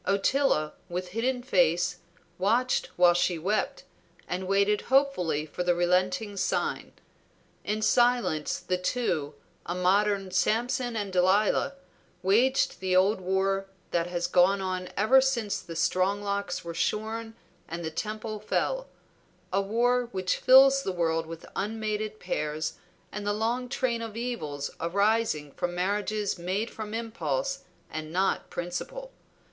Ottila, with hidden face, watched while she wept, and waited hopefully for the relenting sign. In silence the two, a modern Samson and Delilah, waged the old war that has gone on ever since the strong locks were shorn and the temple fell; a war which fills the world with unmated pairs and the long train of evils arising from marriages made from impulse, and not principle.